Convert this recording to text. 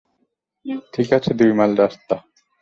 ঠিক আছে - দুই মাইল রাস্তা।